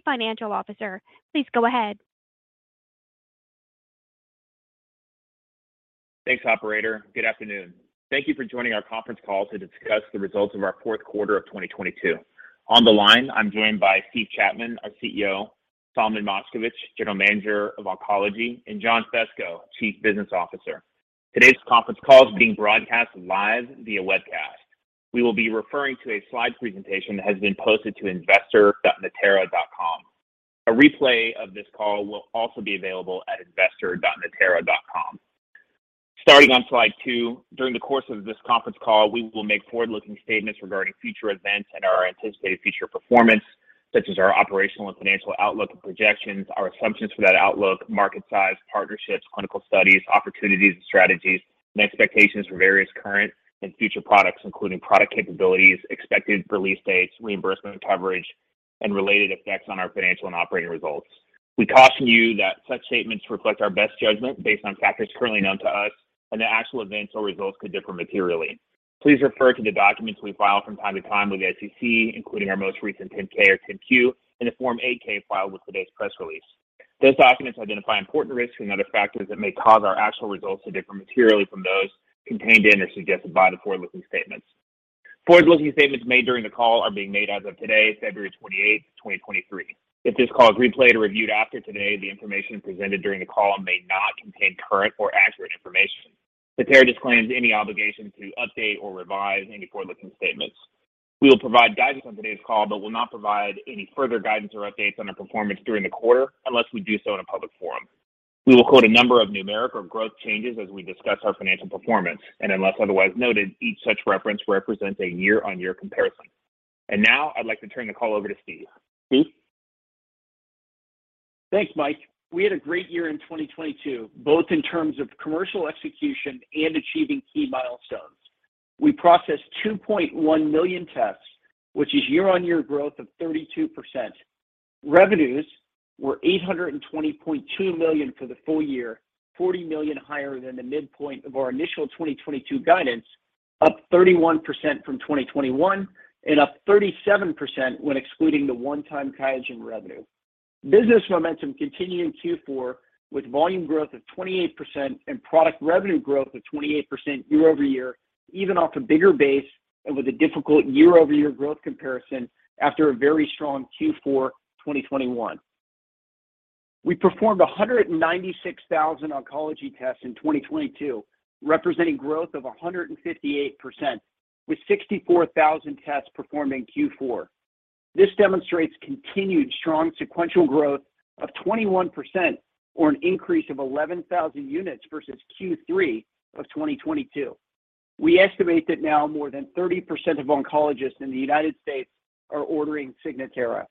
Financial Officer. Please go ahead. Thanks, operator. Good afternoon. Thank you for joining our conference call to discuss the results of our fourth quarter of 2022. On the line, I'm joined by Steve Chapman, our CEO, Solomon Moshkevich, General Manager of Oncology, and John Fesko, Chief Business Officer. Today's conference call is being broadcast live via webcast. We will be referring to a slide presentation that has been posted to investors.natera.com. A replay of this call will also be available at investors.natera.com. Starting on slide two, during the course of this conference call, we will make forward-looking statements regarding future events and our anticipated future performance, such as our operational and financial outlook and projections, our assumptions for that outlook, market size, partnerships, clinical studies, opportunities and strategies, and expectations for various current and future products, including product capabilities, expected release dates, reimbursement coverage, and related effects on our financial and operating results. We caution you that such statements reflect our best judgment based on factors currently known to us, and that actual events or results could differ materially. Please refer to the documents we file from time to time with the SEC, including our most recent Form 10-K or Form 10-Q and the Form 8-K filed with today's press release. Those documents identify important risks and other factors that may cause our actual results to differ materially from those contained in or suggested by the forward-looking statements. Forward-looking statements made during the call are being made as of today, February 28, 2023. If this call is replayed or reviewed after today, the information presented during the call may not contain current or accurate information. Natera disclaims any obligation to update or revise any forward-looking statements. We will provide guidance on today's call, but will not provide any further guidance or updates on our performance during the quarter unless we do so in a public forum. We will quote a number of numeric or growth changes as we discuss our financial performance, and unless otherwise noted, each such reference represents a year-over-year comparison. Now I'd like to turn the call over to Steve. Steve? Thanks, Mike. We had a great year in 2022, both in terms of commercial execution and achieving key milestones. We processed 2.1 million tests, which is year-over-year growth of 32%. Revenues were $820.2 million for the full year, $40 million higher than the midpoint of our initial 2022 guidance, up 31% from 2021, and up 37% when excluding the one-time QIAGEN revenue. Business momentum continued in Q4 with volume growth of 28% and product revenue growth of 28% year-over-year, even off a bigger base and with a difficult year-over-year growth comparison after a very strong Q4, 2021. We performed 196,000 oncology tests in 2022, representing growth of 158% with 64,000 tests performed in Q4. This demonstrates continued strong sequential growth of 21% or an increase of 11,000 units versus Q3 of 2022. We estimate that now more than 30% of oncologists in the United States are ordering Signatera.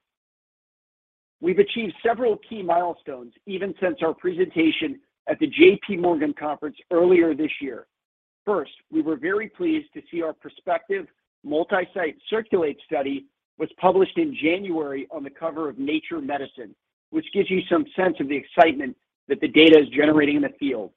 We've achieved several key milestones even since our presentation at the J.P. Morgan conference earlier this year. We were very pleased to see our prospective multi-site CIRCULATE study was published in January on the cover of Nature Medicine, which gives you some sense of the excitement that the data is generating in the field.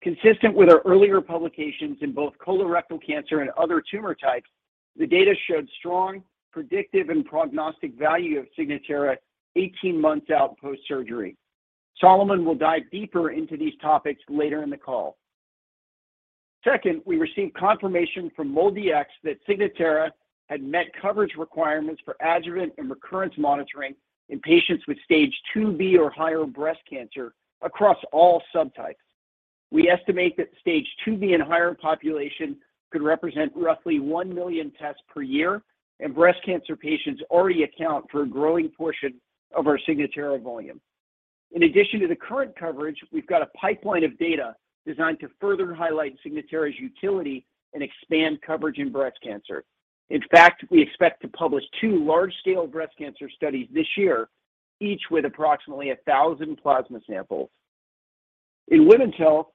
Consistent with our earlier publications in both colorectal cancer and other tumor types, the data showed strong predictive and prognostic value of Signatera 18 months out post-surgery. Solomon will dive deeper into these topics later in the call. Second, we received confirmation from MolDX that Signatera had met coverage requirements for adjuvant and recurrence monitoring in patients with stage 2B or higher breast cancer across all subtypes. We estimate that stage 2B and higher population could represent roughly 1 million tests per year. Breast cancer patients already account for a growing portion of our Signatera volume. In addition to the current coverage, we've got a pipeline of data designed to further highlight Signatera's utility and expand coverage in breast cancer. In fact, we expect to publish two large-scale breast cancer studies this year, each with approximately 1,000 plasma samples. In women's health,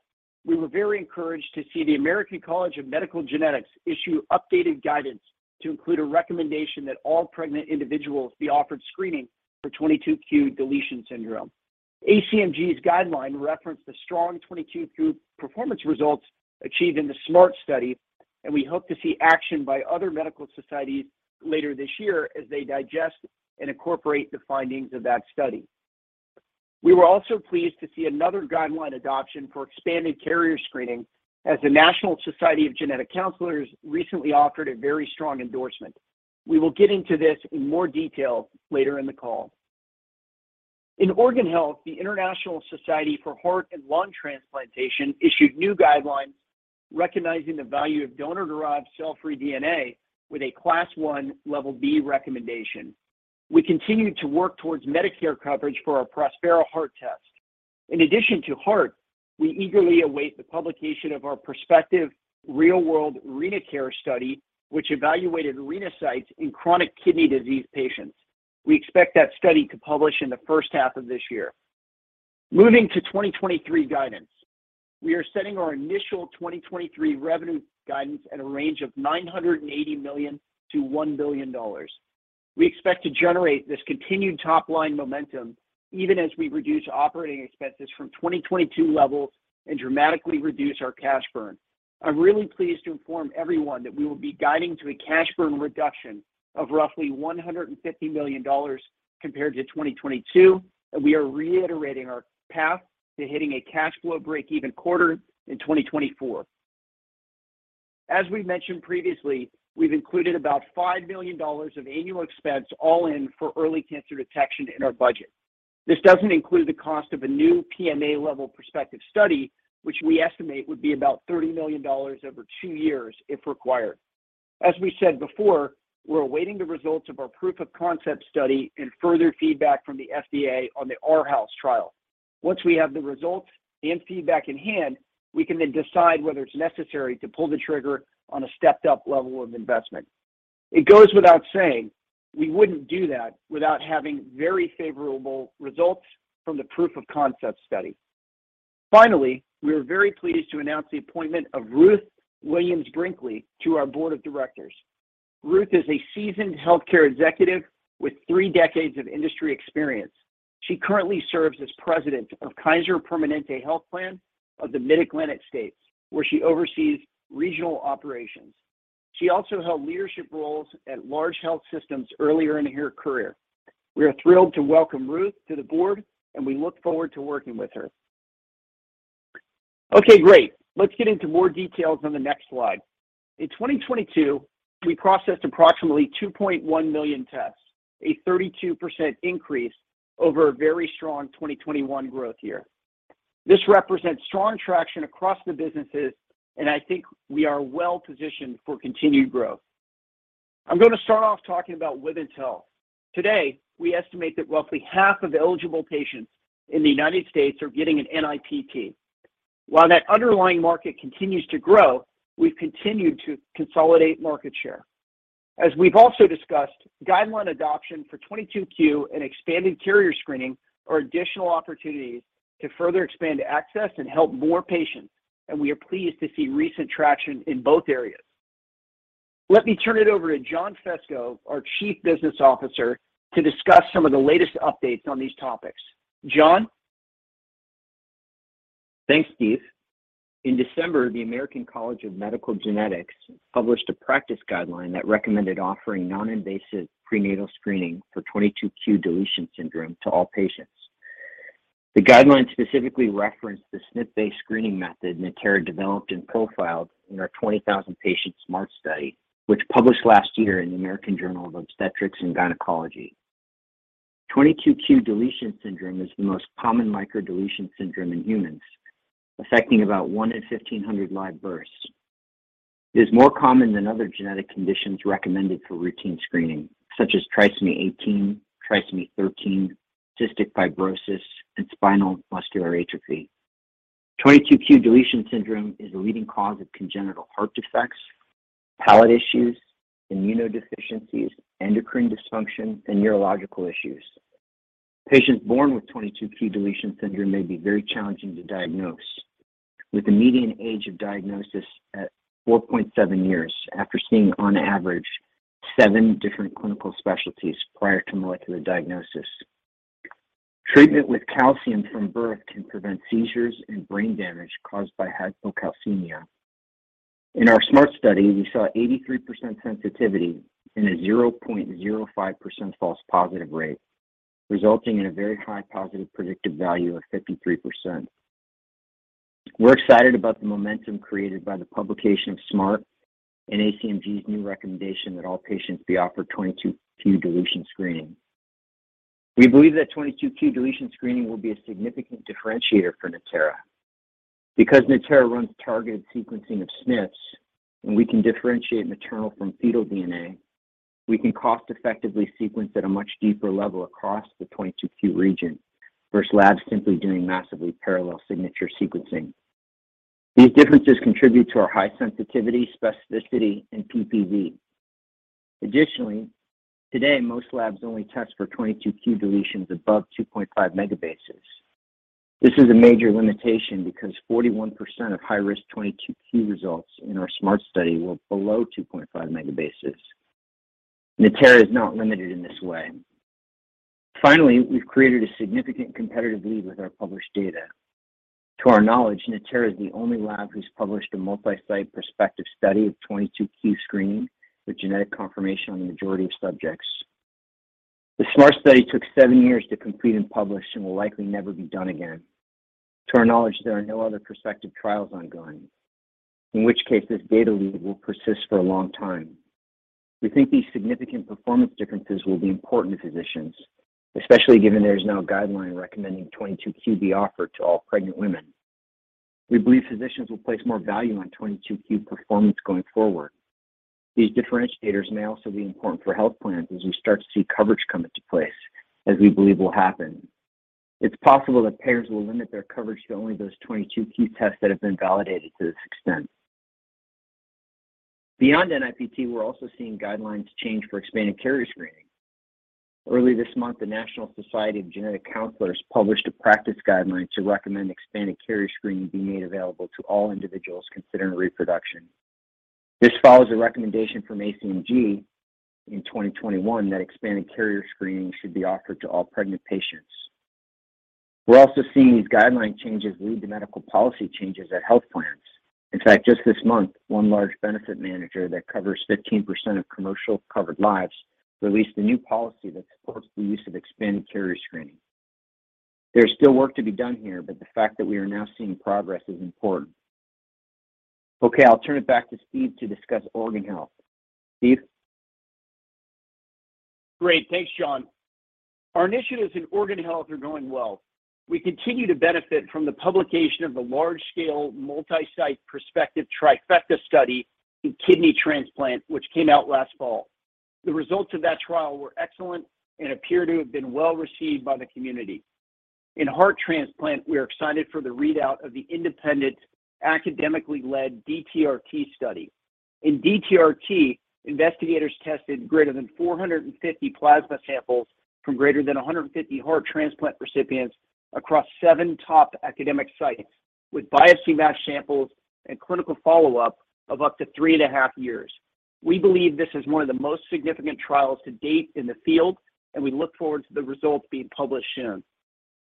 we were very encouraged to see the American College of Medical Genetics issue updated guidance to include a recommendation that all pregnant individuals be offered screening for 22q deletion syndrome. ACMG's guideline referenced the strong 22q performance results achieved in the SMART study. We hope to see action by other medical societies later this year as they digest and incorporate the findings of that study. We were also pleased to see another guideline adoption for expanded carrier screening as the National Society of Genetic Counselors recently offered a very strong endorsement. We will get into this in more detail later in the call. In organ health, the International Society for Heart and Lung Transplantation issued new guidelines recognizing the value of donor-derived cell-free DNA with a class 1 level B recommendation. We continue to work towards Medicare coverage for our Prospera Heart test. In addition to heart, we eagerly await the publication of our prospective real-world RenaCARE study, which evaluated Renasight in chronic kidney disease patients. We expect that study to publish in the first half of this year. Moving to 2023 guidance. We are setting our initial 2023 revenue guidance at a range of $980 million-$1 billion. We expect to generate this continued top-line momentum even as we reduce operating expenses from 2022 levels and dramatically reduce our cash burn. I'm really pleased to inform everyone that we will be guiding to a cash burn reduction of roughly $150 million compared to 2022, and we are reiterating our path to hitting a cash flow breakeven quarter in 2024. As we mentioned previously, we've included about $5 million of annual expense all in for early cancer detection in our budget. This doesn't include the cost of a new PMA-level prospective study, which we estimate would be about $30 million over two years if required. We said before, we're awaiting the results of our proof of concept study and further feedback from the FDA on the R-house trial. Once we have the results and feedback in hand, we can then decide whether it's necessary to pull the trigger on a stepped-up level of investment. It goes without saying, we wouldn't do that without having very favorable results from the proof of concept study. We are very pleased to announce the appointment of Ruth Williams-Brinkley to our board of directors. Ruth is a seasoned healthcare executive with three decades of industry experience. She currently serves as president of Kaiser Permanente Health Plan of the Mid-Atlantic States, where she oversees regional operations. She also held leadership roles at large health systems earlier in her career. We are thrilled to welcome Ruth to the board and we look forward to working with her. Okay, great. Let's get into more details on the next slide. In 2022, we processed approximately 2.1 million tests, a 32% increase over a very strong 2021 growth year. This represents strong traction across the businesses, and I think we are well-positioned for continued growth. I'm going to start off talking about women's health. Today, we estimate that roughly half of eligible patients in the United States are getting an NIPT. While that underlying market continues to grow, we've continued to consolidate market share. As we've also discussed, guideline adoption for 22q and expanded carrier screening are additional opportunities to further expand access and help more patients, and we are pleased to see recent traction in both areas. Let me turn it over to John Fesko, our chief business officer, to discuss some of the latest updates on these topics. John? Thanks, Steve. In December, the American College of Medical Genetics published a practice guideline that recommended offering non-invasive prenatal screening for 22q deletion syndrome to all patients. The guidelines specifically referenced the SNP-based screening method Natera developed and profiled in our 20,000-patient SMART study, which published last year in the American Journal of Obstetrics and Gynecology. 22q deletion syndrome is the most common microdeletion syndrome in humans, affecting about 1 in 1,500 live births. It is more common than other genetic conditions recommended for routine screening, such as trisomy 18, trisomy 13, cystic fibrosis, and spinal muscular atrophy. 22q deletion syndrome is a leading cause of congenital heart defects, palate issues, immunodeficiencies, endocrine dysfunction, and neurological issues. Patients born with 22q deletion syndrome may be very challenging to diagnose, with a median age of diagnosis at 4.7 years after seeing on average 7 different clinical specialties prior to molecular diagnosis. Treatment with calcium from birth can prevent seizures and brain damage caused by hypocalcemia. In our SMART study, we saw 83% sensitivity in a 0.05% false positive rate, resulting in a very high positive predictive value of 53%. We're excited about the momentum created by the publication of SMART and ACMG's new recommendation that all patients be offered 22q deletion screening. We believe that 22q deletion screening will be a significant differentiator for Natera. Natera runs targeted sequencing of SNPs, and we can differentiate maternal from fetal DNA, we can cost-effectively sequence at a much deeper level across the 22q region versus labs simply doing massively parallel signature sequencing. These differences contribute to our high sensitivity, specificity, and PPV. Today, most labs only test for 22q deletions above 2.5 megabases. This is a major limitation because 41% of high-risk 22q results in our SMART study were below 2.5 megabases. Natera is not limited in this way. We've created a significant competitive lead with our published data. To our knowledge, Natera is the only lab who's published a multi-site prospective study of 22q screening with genetic confirmation on the majority of subjects. The SMART study took seven years to complete and publish and will likely never be done again. To our knowledge, there are no other prospective trials ongoing, in which case this data lead will persist for a long time. We think these significant performance differences will be important to physicians, especially given there is now a guideline recommending 22q be offered to all pregnant women. We believe physicians will place more value on 22q performance going forward. These differentiators may also be important for health plans as we start to see coverage come into place, as we believe will happen. It's possible that payers will limit their coverage to only those 22q tests that have been validated to this extent. Beyond NIPT, we're also seeing guidelines change for expanded carrier screening. Early this month, the National Society of Genetic Counselors published a practice guideline to recommend expanded carrier screening be made available to all individuals considering reproduction. This follows a recommendation from ACMG in 2021 that expanded carrier screening should be offered to all pregnant patients. We're also seeing these guideline changes lead to medical policy changes at health plans. In fact, just this month, one large benefit manager that covers 15% of commercial covered lives released a new policy that supports the use of expanded carrier screening. There's still work to be done here, the fact that we are now seeing progress is important. Okay, I'll turn it back to Steve to discuss organ health. Steve. Great. Thanks, Sean. Our initiatives in organ health are going well. We continue to benefit from the publication of the large-scale, multi-site prospective Trifecta study in kidney transplant, which came out last fall. The results of that trial were excellent and appear to have been well-received by the community. In heart transplant, we are excited for the readout of the independent, academically-led DTRT study. In DTRT, investigators tested greater than 450 plasma samples from greater than 150 heart transplant recipients across seven top academic sites, with biopsy match samples and clinical follow-up of up to three and a half years. We believe this is one of the most significant trials to date in the field, and we look forward to the results being published soon.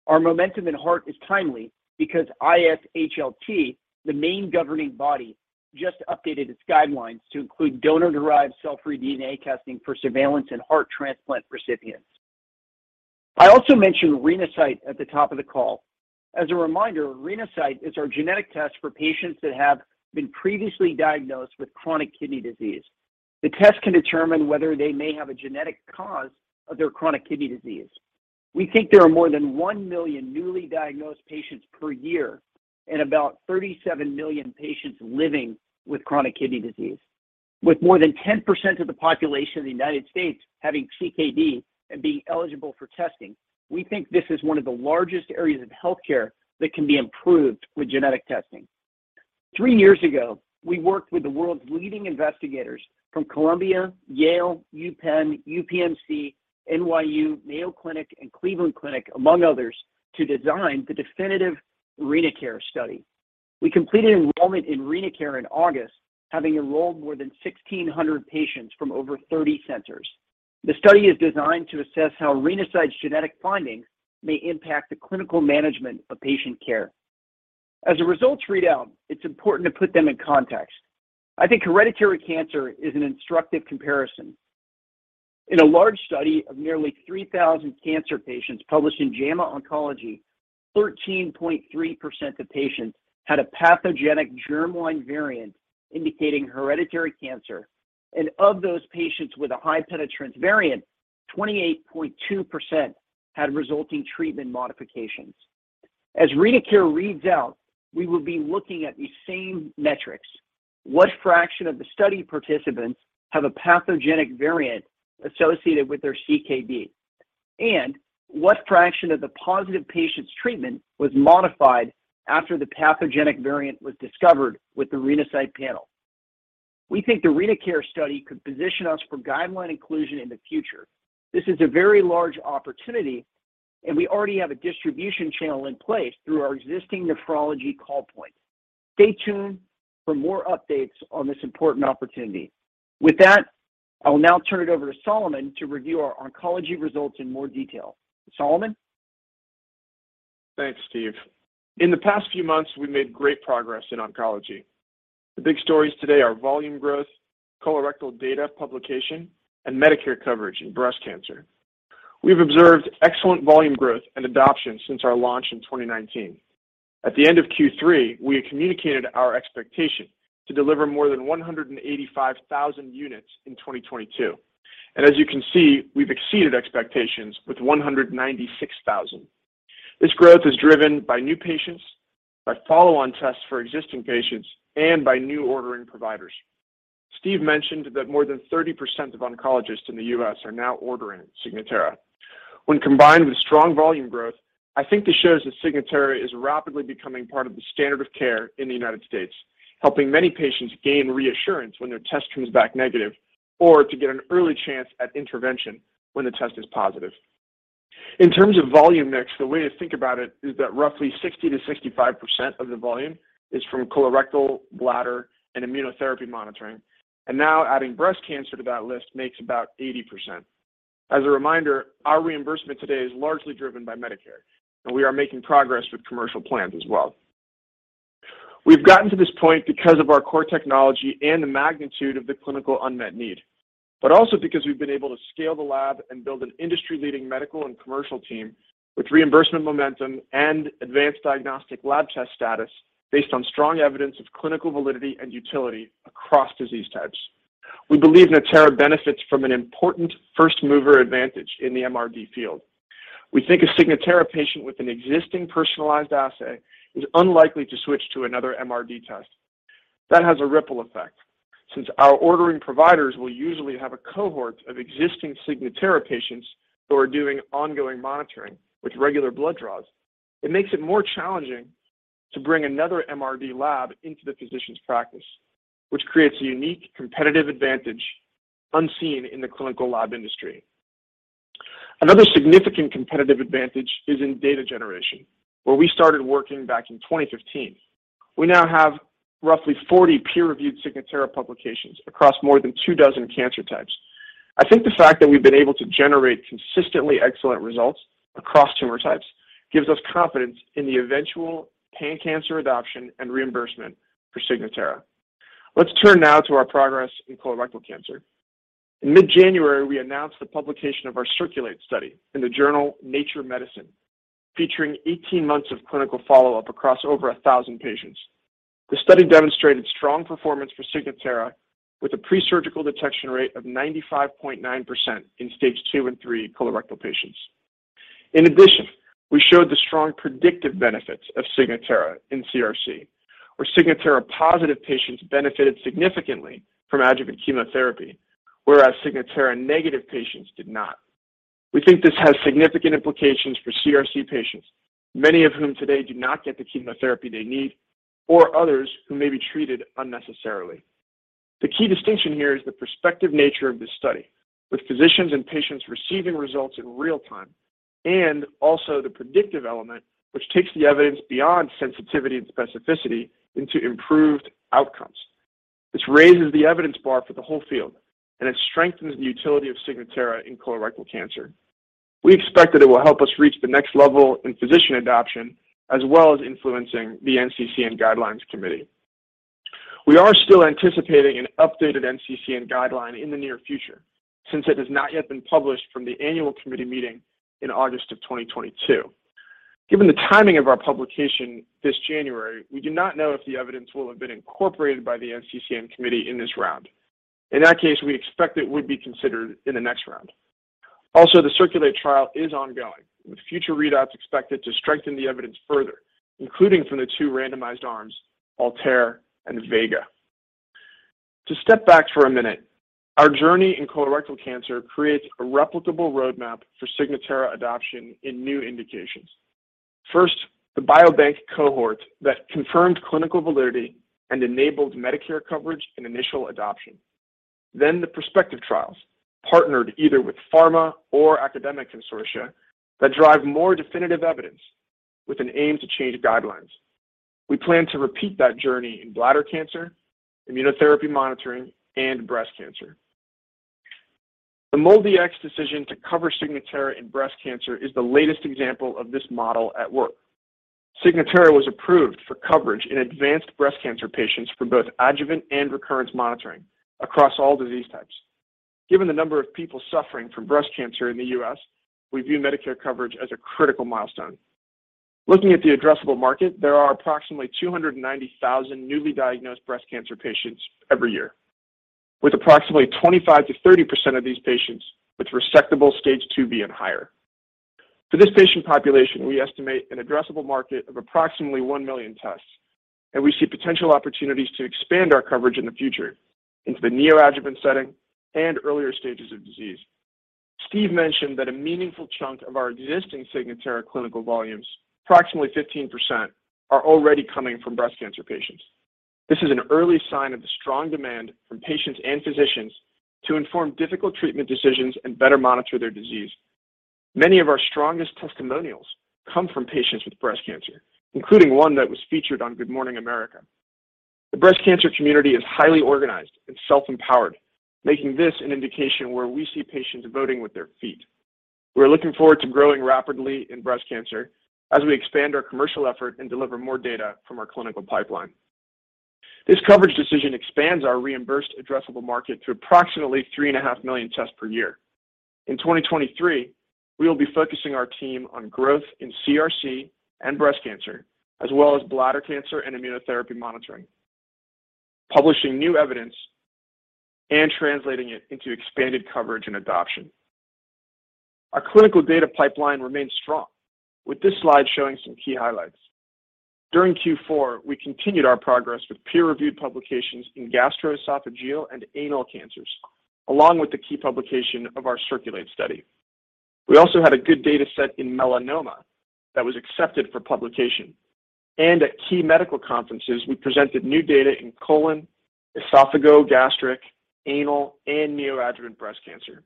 Our momentum in heart is timely because ISHLT, the main governing body, just updated its guidelines to include donor-derived cell-free DNA testing for surveillance in heart transplant recipients. I also mentioned Renasight at the top of the call. As a reminder, Renasight is our genetic test for patients that have been previously diagnosed with chronic kidney disease. The test can determine whether they may have a genetic cause of their chronic kidney disease. We think there are more than 1 million newly diagnosed patients per year and about 37 million patients living with chronic kidney disease. With more than 10% of the population of the United States having CKD and being eligible for testing, we think this is one of the largest areas of healthcare that can be improved with genetic testing. Three years ago, we worked with the world's leading investigators from Columbia University, Yale University of Pennsylvania, University of Pittsburgh Medical Center, New York University, Mayo Clinic, and Cleveland Clinic, among others, to design the definitive RenaCARE study. We completed enrollment in RenaCARE in August, having enrolled more than 1,600 patients from over 30 centers. The study is designed to assess how Renasight's genetic findings may impact the clinical management of patient care. As the results read out, it's important to put them in context. I think hereditary cancer is an instructive comparison. In a large study of nearly 3,000 cancer patients published in JAMA Oncology, 13.3% of patients had a pathogenic germline variant indicating hereditary cancer. Of those patients with a high penetrance variant, 28.2% had resulting treatment modifications. As RenaCARE reads out, we will be looking at the same metrics. What fraction of the study participants have a pathogenic variant associated with their CKD? What fraction of the positive patient's treatment was modified after the pathogenic variant was discovered with the Renasight panel? We think the RenaCARE study could position us for guideline inclusion in the future. This is a very large opportunity, and we already have a distribution channel in place through our existing nephrology call point. Stay tuned for more updates on this important opportunity. With that, I will now turn it over to Solomon to review our oncology results in more detail. Solomon. Thanks, Steve. In the past few months, we've made great progress in oncology. The big stories today are volume growth, colorectal data publication, and Medicare coverage in breast cancer. We've observed excellent volume growth and adoption since our launch in 2019. At the end of Q3, we had communicated our expectation to deliver more than 185,000 units in 2022. As you can see, we've exceeded expectations with 196,000. This growth is driven by new patients, by follow-on tests for existing patients, and by new ordering providers. Steve mentioned that more than 30% of oncologists in the U.S. are now ordering Signatera. When combined with strong volume growth, I think this shows that Signatera is rapidly becoming part of the standard of care in the United States, helping many patients gain reassurance when their test comes back negative or to get an early chance at intervention when the test is positive. In terms of volume mix, the way to think about it is that roughly 60%-65% of the volume is from colorectal, bladder, and immunotherapy monitoring. Now adding breast cancer to that list makes about 80%. As a reminder, our reimbursement today is largely driven by Medicare, and we are making progress with commercial plans as well. We've gotten to this point because of our core technology and the magnitude of the clinical unmet need, also because we've been able to scale the lab and build an industry-leading medical and commercial team with reimbursement momentum and advanced diagnostic lab test status based on strong evidence of clinical validity and utility across disease types. We believe Natera benefits from an important first-mover advantage in the MRD field. We think a Signatera patient with an existing personalized assay is unlikely to switch to another MRD test. That has a ripple effect. Since our ordering providers will usually have a cohort of existing Signatera patients who are doing ongoing monitoring with regular blood draws, it makes it more challenging to bring another MRD lab into the physician's practice, which creates a unique competitive advantage unseen in the clinical lab industry. Another significant competitive advantage is in data generation, where we started working back in 2015. We now have roughly 40 peer-reviewed Signatera publications across more than two dozen cancer types. I think the fact that we've been able to generate consistently excellent results across tumor types gives us confidence in the eventual pan-cancer adoption and reimbursement for Signatera. Let's turn now to our progress in colorectal cancer. In mid-January, we announced the publication of our CIRCULATE study in the journal Nature Medicine, featuring 18 months of clinical follow-up across over 1,000 patients. The study demonstrated strong performance for Signatera with a presurgical detection rate of 95.9% in stage 2 and 3 colorectal patients. In addition, we showed the strong predictive benefits of Signatera in CRC, where Signatera-positive patients benefited significantly from adjuvant chemotherapy, whereas Signatera-negative patients did not. We think this has significant implications for CRC patients, many of whom today do not get the chemotherapy they need, or others who may be treated unnecessarily. The key distinction here is the prospective nature of this study, with physicians and patients receiving results in real time, and also the predictive element, which takes the evidence beyond sensitivity and specificity into improved outcomes. This raises the evidence bar for the whole field, and it strengthens the utility of Signatera in colorectal cancer. We expect that it will help us reach the next level in physician adoption, as well as influencing the NCCN Guidelines Committee. We are still anticipating an updated NCCN guideline in the near future since it has not yet been published from the annual committee meeting in August of 2022. Given the timing of our publication this January, we do not know if the evidence will have been incorporated by the NCCN committee in this round. In that case, we expect it would be considered in the next round. Also, the CIRCULATE trial is ongoing, with future readouts expected to strengthen the evidence further, including from the two randomized arms, ALTAIR and VEGA. To step back for a minute, our journey in colorectal cancer creates a replicable roadmap for Signatera adoption in new indications. First, the Biobank cohort that confirmed clinical validity and enabled Medicare coverage and initial adoption. Then the prospective trials, partnered either with pharma or academic consortia that drive more definitive evidence with an aim to change guidelines. We plan to repeat that journey in bladder cancer, immunotherapy monitoring, and breast cancer. The MolDX decision to cover Signatera in breast cancer is the latest example of this model at work. Signatera was approved for coverage in advanced breast cancer patients for both adjuvant and recurrence monitoring across all disease types. Given the number of people suffering from breast cancer in the U.S., we view Medicare coverage as a critical milestone. Looking at the addressable market, there are approximately 290,000 newly diagnosed breast cancer patients every year, with approximately 25%-30% of these patients with resectable stage 2B and higher. For this patient population, we estimate an addressable market of approximately 1 million tests, and we see potential opportunities to expand our coverage in the future into the neoadjuvant setting and earlier stages of disease. Steve mentioned that a meaningful chunk of our existing Signatera clinical volumes, approximately 15%, are already coming from breast cancer patients. This is an early sign of the strong demand from patients and physicians to inform difficult treatment decisions and better monitor their disease. Many of our strongest testimonials come from patients with breast cancer, including one that was featured on Good Morning America. The breast cancer community is highly organized and self-empowered, making this an indication where we see patients voting with their feet. We're looking forward to growing rapidly in breast cancer as we expand our commercial effort and deliver more data from our clinical pipeline. This coverage decision expands our reimbursed addressable market to approximately 3.5 million tests per year. In 2023, we will be focusing our team on growth in CRC and breast cancer, as well as bladder cancer and immunotherapy monitoring, publishing new evidence and translating it into expanded coverage and adoption. Our clinical data pipeline remains strong, with this slide showing some key highlights. During Q4, we continued our progress with peer-reviewed publications in gastroesophageal and anal cancers, along with the key publication of our CIRCULATE study. We also had a good data set in melanoma that was accepted for publication. At key medical conferences, we presented new data in colon, esophagogastric, anal, and neoadjuvant breast cancer.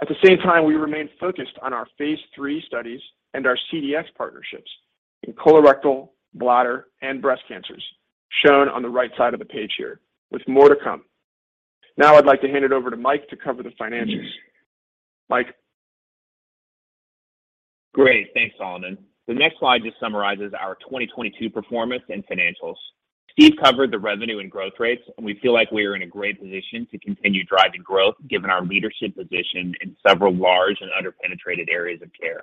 At the same time, we remain focused on our phase III studies and our CDX partnerships in colorectal, bladder, and breast cancers, shown on the right side of the page here with more to come. I'd like to hand it over to Mike to cover the financials. Mike? Great. Thanks, Solomon. The next slide just summarizes our 2022 performance and financials. Steve covered the revenue and growth rates, and we feel like we are in a great position to continue driving growth given our leadership position in several large and under-penetrated areas of care.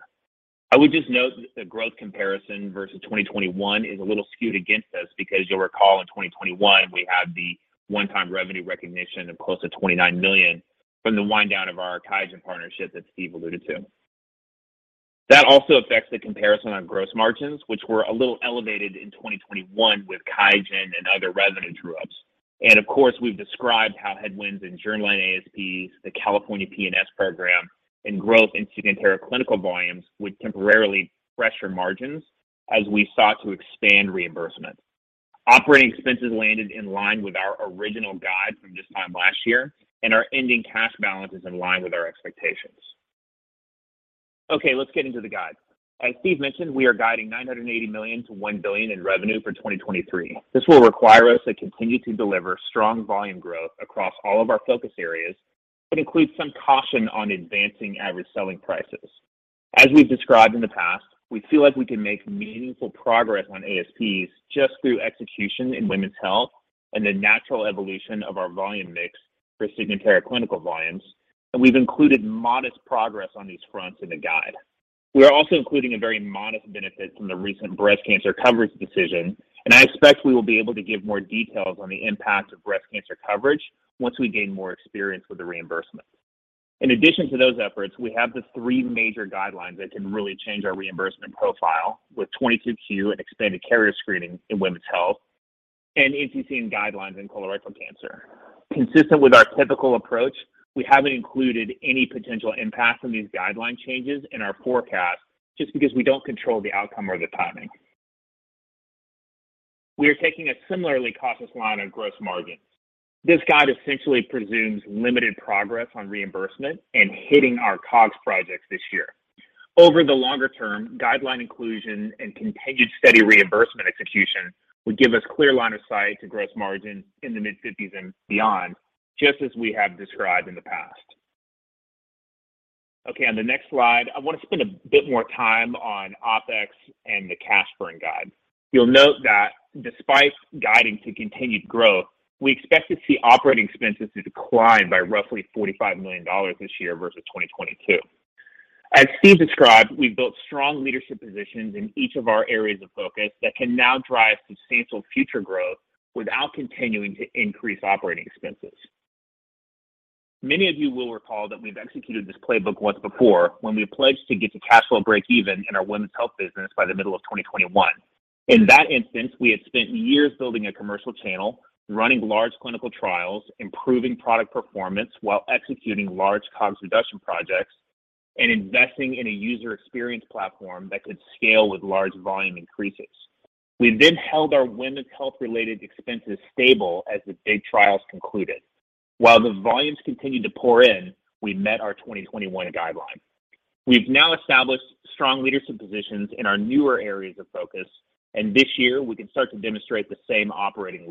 I would just note that the growth comparison versus 2021 is a little skewed against us because you'll recall in 2021, we had the one-time revenue recognition of close to $29 million from the wind-down of our QIAGEN partnership that Steve alluded to. That also affects the comparison on gross margins, which were a little elevated in 2021 with QIAGEN and other revenue true-ups. Of course, we've described how headwinds in Germany ASPs, the California PNS Program, and growth in Signatera clinical volumes would temporarily pressure margins as we sought to expand reimbursement. Operating expenses landed in line with our original guide from this time last year. Our ending cash balance is in line with our expectations. Let's get into the guide. As Steve mentioned, we are guiding $980 million-$1 billion in revenue for 2023. This will require us to continue to deliver strong volume growth across all of our focus areas, includes some caution on advancing average selling prices. As we've described in the past, we feel like we can make meaningful progress on ASPs just through execution in women's health and the natural evolution of our volume mix for Signatera clinical volumes. We've included modest progress on these fronts in the guide. We are also including a very modest benefit from the recent breast cancer coverage decision. I expect we will be able to give more details on the impact of breast cancer coverage once we gain more experience with the reimbursement. In addition to those efforts, we have the three major guidelines that can really change our reimbursement profile with 22q and expanded carrier screening in women's health and ACG guidelines in colorectal cancer. Consistent with our typical approach, we haven't included any potential impact from these guideline changes in our forecast just because we don't control the outcome or the timing. We are taking a similarly cautious line on gross margin. This guide essentially presumes limited progress on reimbursement and hitting our COGS projects this year. Over the longer term, guideline inclusion and continued steady reimbursement execution would give us clear line of sight to gross margin in the mid-50s and beyond, just as we have described in the past. Okay, on the next slide, I want to spend a bit more time on OpEx and the cash burn guide. You'll note that despite guiding to continued growth, we expect to see operating expenses to decline by roughly $45 million this year versus 2022. As Steve described, we've built strong leadership positions in each of our areas of focus that can now drive substantial future growth without continuing to increase operating expenses. Many of you will recall that we've executed this playbook once before when we pledged to get to cash flow break even in our women's health business by the middle of 2021. In that instance, we had spent years building a commercial channel, running large clinical trials, improving product performance while executing large COGS reduction projects, and investing in a user experience platform that could scale with large volume increases. We then held our women's health-related expenses stable as the big trials concluded. While the volumes continued to pour in, we met our 2021 guideline. We've now established strong leadership positions in our newer areas of focus, this year we can start to demonstrate the same operating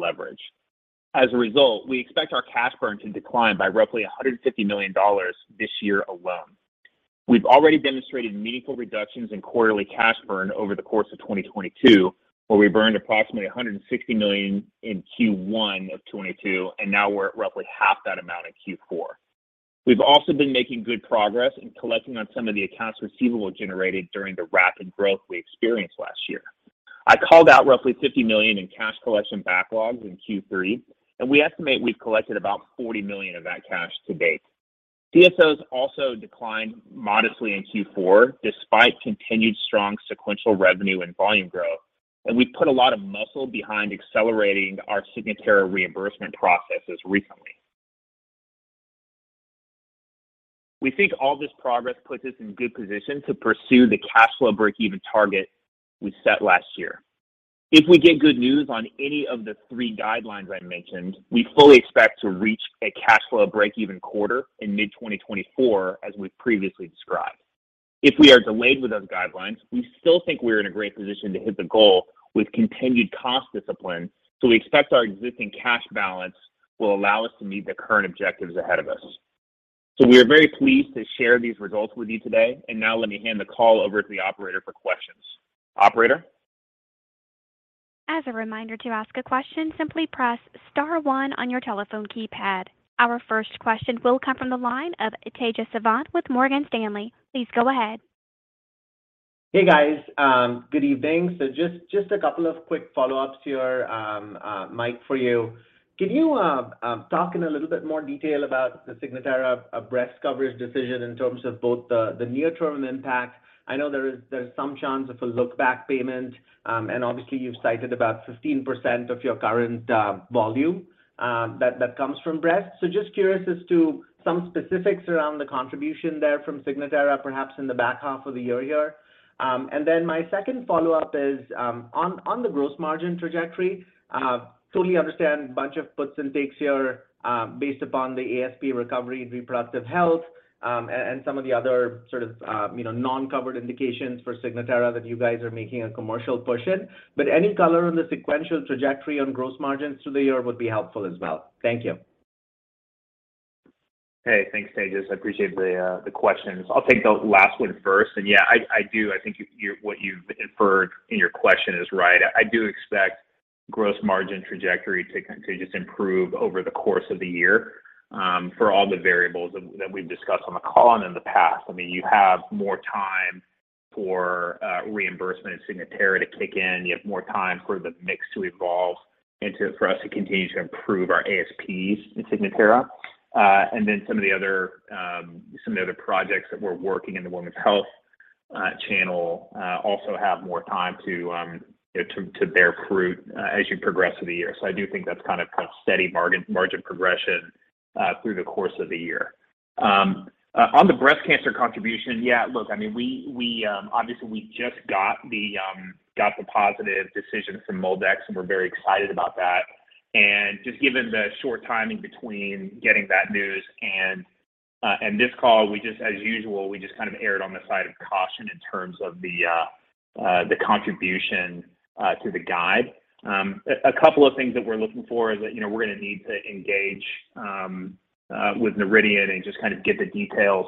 leverage. As a result, we expect our cash burn to decline by roughly $150 million this year alone. We've already demonstrated meaningful reductions in quarterly cash burn over the course of 2022, where we burned approximately $160 million in Q1 of 2022, and now we're at roughly half that amount in Q4. We've also been making good progress in collecting on some of the accounts receivable generated during the rapid growth we experienced last year. I called out roughly $50 million in cash collection backlogs in Q3. We estimate we've collected about $40 million of that cash to date. CSOs also declined modestly in Q4, despite continued strong sequential revenue and volume growth. We put a lot of muscle behind accelerating our Signatera reimbursement processes recently. We think all this progress puts us in good position to pursue the cash flow break even target we set last year. If we get good news on any of the three guidelines I mentioned, we fully expect to reach a cash flow break even quarter in mid-2024, as we've previously described. If we are delayed with those guidelines, we still think we're in a great position to hit the goal with continued cost discipline. We expect our existing cash balance will allow us to meet the current objectives ahead of us. We are very pleased to share these results with you today. Now let me hand the call over to the operator for questions. Operator? To ask a question, simply press star one on your telephone keypad. Our first question will come from the line of Tejas Savant with Morgan Stanley. Please go ahead. Hey, guys, good evening. Just a couple of quick follow-ups here, Mike, for you. Can you talk in a little bit more detail about the Signatera breast coverage decision in terms of both the near-term impact? I know there's some chance of a look-back payment, and obviously you've cited about 15% of your current volume that comes from breast. Just curious as to some specifics around the contribution there from Signatera, perhaps in the back half of the year here. My second follow-up is on the gross margin trajectory, totally understand a bunch of puts and takes here, based upon the ASP recovery in reproductive health, and some of the other sort of, you know, non-covered indications for Signatera that you guys are making a commercial push in. Any color on the sequential trajectory on gross margins through the year would be helpful as well. Thank you. Hey, thanks, Tejas. I appreciate the questions. I'll take the last one first. Yeah, I do. I think what you've inferred in your question is right. I do expect gross margin trajectory to just improve over the course of the year, for all the variables that we've discussed on the call and in the past. I mean, you have more time for reimbursement in Signatera to kick in. You have more time for the mix to evolve for us to continue to improve our ASPs in Signatera. Then some of the other, some of the other projects that we're working in the women's health channel, also have more time to, you know, to bear fruit as you progress through the year. I do think that's kind of steady margin progression through the course of the year. On the breast cancer contribution, yeah, look, I mean, we obviously we just got the positive decision from MolDX, and we're very excited about that. Just given the short timing between getting that news and this call, we just as usual, we just kind of erred on the side of caution in terms of the contribution to the guide. A couple of things that we're looking for is that, you know, we're gonna need to engage with Noridian and just kind of get the details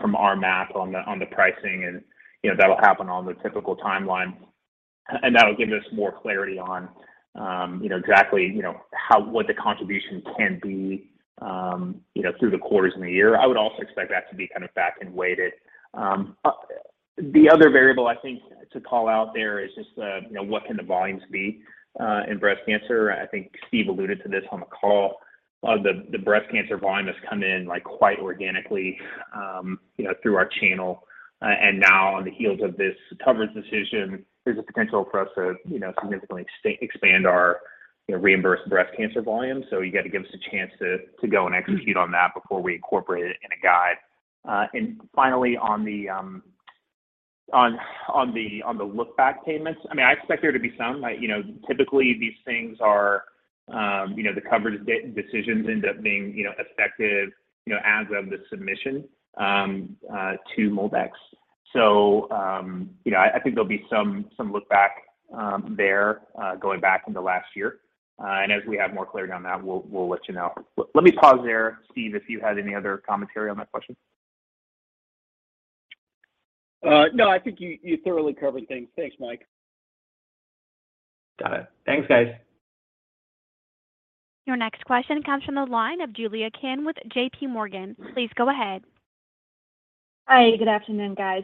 from MolDX on the pricing and, you know, that'll happen on the typical timeline. That'll give us more clarity on, you know, exactly, what the contribution can be, you know, through the quarters in the year. I would also expect that to be kind of back-end weighted. The other variable I think to call out there is just the, you know, what can the volumes be in breast cancer. I think Steve alluded to this on the call. The breast cancer volume has come in, like, quite organically, you know, through our channel. Now on the heels of this coverage decision, there's a potential for us to, you know, significantly expand our, you know, reimbursed breast cancer volume. You got to give us a chance to go and execute on that before we incorporate it in a guide. Finally on the look-back payments, I mean, I expect there to be some. Like, you know, typically these things are, you know, the coverage decisions end up being, you know, effective, you know, as of the submission to MolDX. I think there'll be some look back there going back into last year. As we have more clarity on that, we'll let you know. Let me pause there, Steve, if you had any other commentary on that question. No, I think you thoroughly covered things. Thanks, Mike. Got it. Thanks, guys. Your next question comes from the line of Julia Kim with J.P. Morgan. Please go ahead. Hi, good afternoon, guys.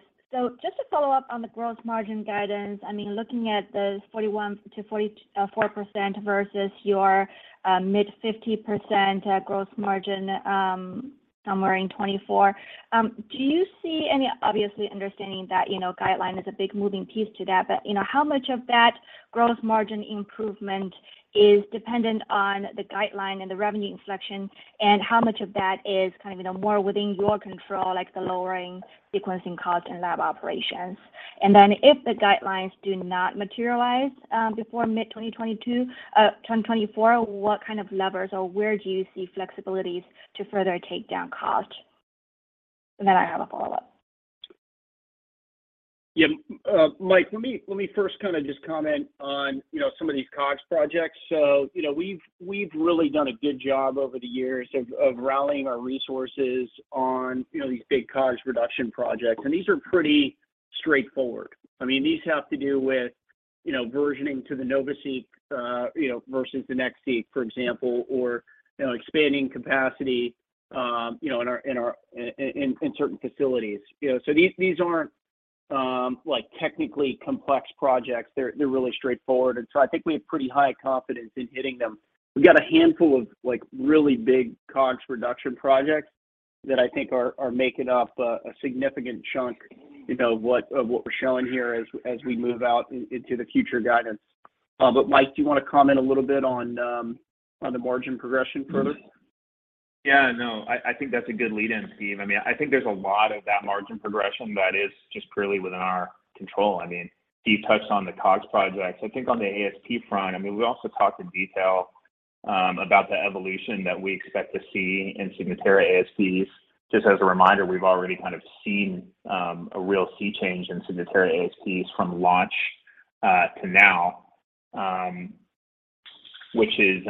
Just to follow up on the gross margin guidance, I mean, looking at the 41%-44% versus your mid-50% gross margin, somewhere in 2024, obviously understanding that, you know, guideline is a big moving piece to that, but, you know, how much of that gross margin improvement is dependent on the guideline and the revenue inflection, and how much of that is kind of, you know, more within your control, like the lowering sequencing cost and lab operations? If the guidelines do not materialize before mid 2022, 2024, what kind of levers or where do you see flexibilities to further take down cost? I have a follow-up. Yeah. Mike, let me first kind of just comment on, you know, some of these COGS projects. You know, we've really done a good job over the years of rallying our resources on, you know, these big COGS reduction projects, and these are pretty straightforward. I mean, these have to do with, you know, versioning to the NovaSeq, you know, versus the NextSeq, for example, or, you know, expanding capacity, you know, in our in certain facilities. You know, so these aren't like technically complex projects. They're really straightforward. I think we have pretty high confidence in hitting them. We've got a handful of, like, really big COGS reduction projects that I think are making up a significant chunk, you know, of what we're showing here as we move out into the future guidance. Mike, do you want to comment a little bit on the margin progression further? Yeah, no, I think that's a good lead in, Steve. I mean, I think there's a lot of that margin progression that is just purely within our control. I mean, Steve touched on the COGS projects. I think on the ASP front, I mean, we also talked in detail about the evolution that we expect to see in Signatera ASPs. Just as a reminder, we've already kind of seen a real sea change in Signatera ASPs from launch to now, which is,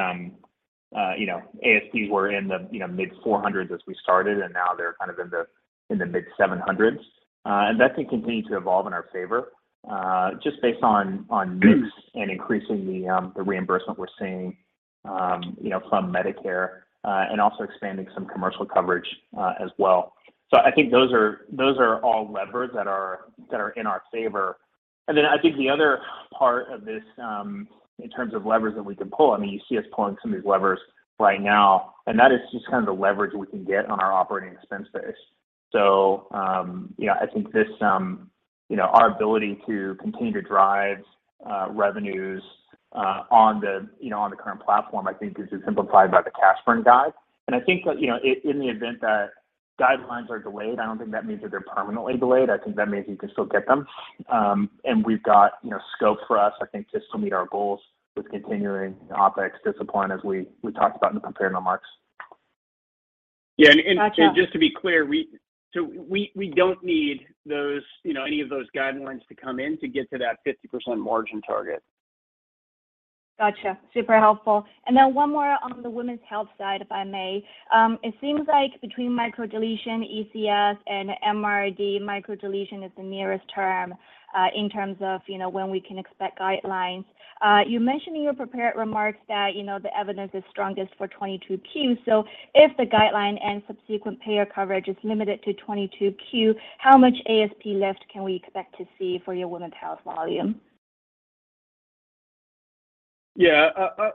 you know, ASPs were in the, you know, mid $400s as we started, and now they're kind of in the, in the mid $700s. That can continue to evolve in our favor, just based on mix and increasing the reimbursement we're seeing, you know, from Medicare, and also expanding some commercial coverage as well. I think those are all levers that are in our favor. Then I think the other part of this, in terms of levers that we can pull, I mean, you see us pulling some of these levers right now, and that is just kind of the leverage we can get on our operating expense base. You know, I think this, you know, our ability to continue to drive revenues on the, you know, on the current platform, I think is just simplified by the cash burn guide. I think that, you know, in the event that guidelines are delayed, I don't think that means that they're permanently delayed. I think that means we can still get them. We've got, you know, scope for us, I think to still meet our goals with continuing the OpEx discipline as we talked about in the prepared remarks. Yeah. Gotcha just to be clear, so we don't need those, you know, any of those guidelines to come in to get to that 50% margin target. Gotcha. Super helpful. Then one more on the women's health side, if I may. It seems like between microdeletion, ECS, and MRD, microdeletion is the nearest term, in terms of, you know, when we can expect guidelines. You mentioned in your prepared remarks that, you know, the evidence is strongest for 22q. If the guideline and subsequent payer coverage is limited to 22q, how much ASP lift can we expect to see for your women's health volume? Yeah.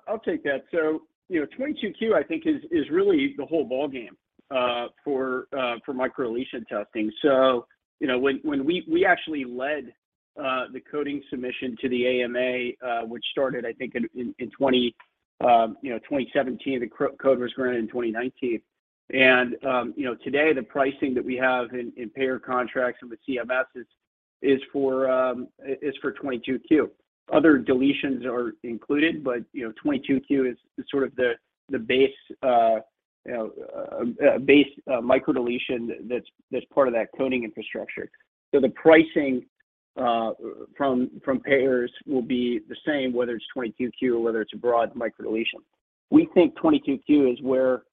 I'll take that. You know, 22q, I think is really the whole ballgame for microdeletion testing. You know, when we actually led the coding submission to the AMA, which started I think in 2017. The code was granted in 2019. You know, today the pricing that we have in payer contracts and with CMS is for 22q. Other deletions are included, you know, 22q is sort of the base, you know, base micro deletion that's part of that coding infrastructure. The pricing from payers will be the same, whether it's 22q or whether it's a broad micro deletion. We think 22q is where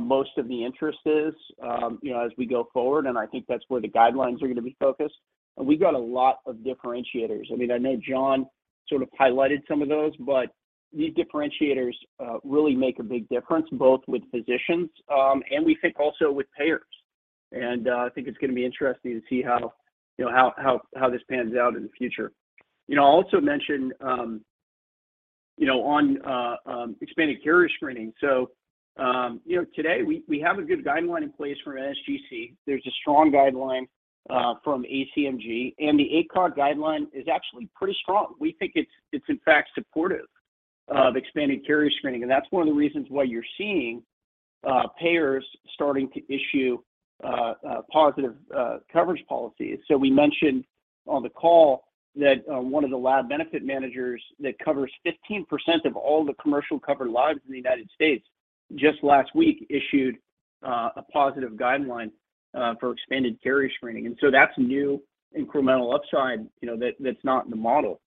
most of the interest is, you know, as we go forward, and I think that's where the guidelines are going to be focused. We've got a lot of differentiators. I mean, I know John sort of highlighted some of those, these differentiators really make a big difference, both with physicians, and we think also with payers. I think it's going to be interesting to see how, you know, how this pans out in the future. You know, I also mentioned, you know, on expanded carrier screening. You know, today we have a good guideline in place from NSGC. There's a strong guideline from ACMG, the ACOG guideline is actually pretty strong. We think it's in fact supportive of expanded carrier screening, that's one of the reasons why you're seeing payers starting to issue positive coverage policies. We mentioned on the call that one of the lab benefit managers that covers 15% of all the commercial covered lives in the United States just last week issued a positive guideline for expanded carrier screening. That's new incremental upside, you know, that's not in the model.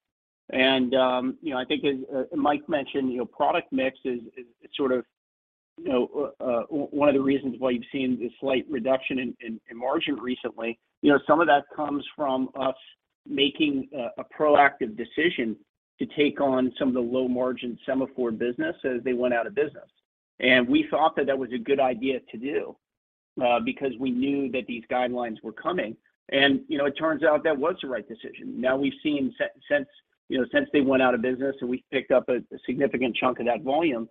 You know, I think as Mike mentioned, you know, product mix is sort of, you know, one of the reasons why you've seen the slight reduction in margin recently. You know, some of that comes from us making a proactive decision to take on some of the low margin Sema4 business as they went out of business. We thought that that was a good idea to do because we knew that these guidelines were coming. You know, it turns out that was the right decision. Now we've seen since, you know, since they went out of business and we picked up a significant chunk of that volume,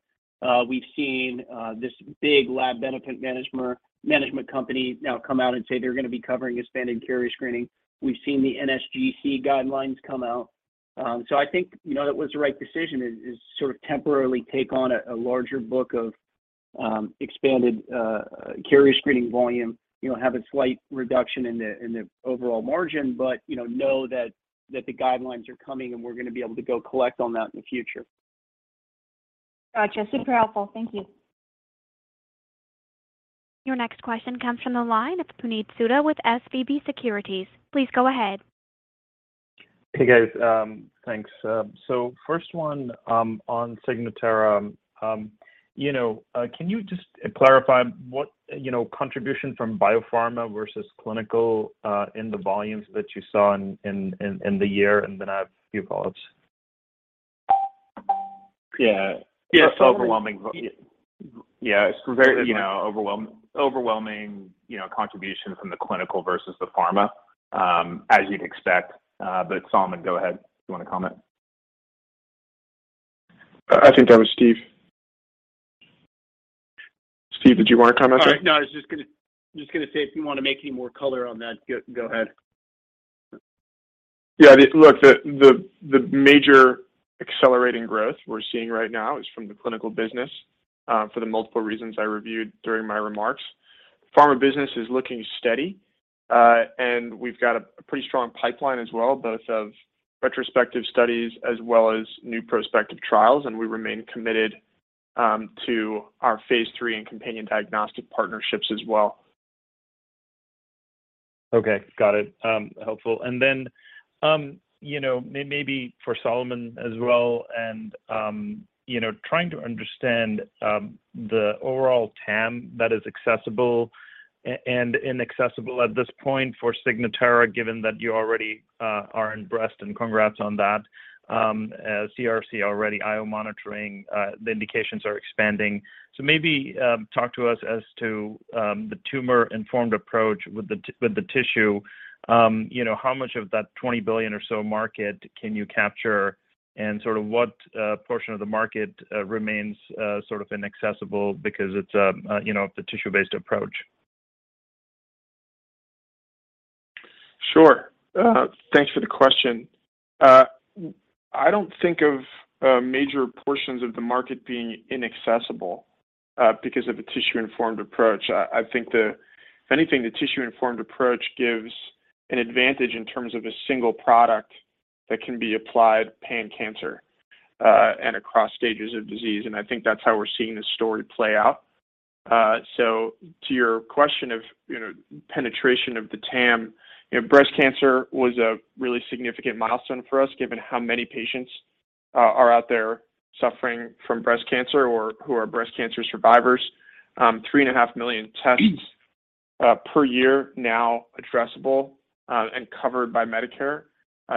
we've seen this big lab benefit management company now come out and say they're gonna be covering expanded carrier screening. We've seen the NSGC guidelines come out. I think, you know, that was the right decision is sort of temporarily take on a larger book of expanded carrier screening volume, you know, have a slight reduction in the overall margin, but, you know that the guidelines are coming, and we're gonna be able to go collect on that in the future. Gotcha. Super helpful. Thank you. Your next question comes from the line of Puneet Souda with SVB Securities. Please go ahead. Hey, guys. thanks. First one, on Signatera. You know, can you just clarify what, you know, contribution from biopharma versus clinical, in the volumes that you saw in the year? Then I have a few follow-ups. It's overwhelming. It's very, you know, overwhelming, you know, contribution from the clinical versus the pharma, as you'd expect. Solomon, go ahead, if you wanna comment. I think that was Steve. Steve, did you wanna comment on that? All right. No, I was just gonna say if you wanna make any more color on that, go ahead. The major accelerating growth we're seeing right now is from the clinical business for the multiple reasons I reviewed during my remarks. Pharma business is looking steady. We've got a pretty strong pipeline as well, both of retrospective studies as well as new prospective trials. We remain committed to our phase three and companion diagnostic partnerships as well. Okay. Got it. Helpful. Then maybe for Solomon as well trying to understand the overall TAM that is accessible and inaccessible at this point for Signatera, given that you already are in breast, and congrats on that. As CRC already IO monitoring, the indications are expanding. Maybe talk to us as to the tumor-informed approach with the tissue. How much of that $20 billion or so market can you capture? Sort of what portion of the market remains sort of inaccessible because it's the tissue-based approach? Sure. Thanks for the question. I don't think of major portions of the market being inaccessible because of the tissue informed approach. I think If anything, the tissue informed approach gives an advantage in terms of a single product that can be applied pan-cancer and across stages of disease, and I think that's how we're seeing this story play out. To your question of, you know, penetration of the TAM, you know, breast cancer was a really significant milestone for us, given how many patients are out there suffering from breast cancer or who are breast cancer survivors. 3.5 million tests per year now addressable and covered by Medicare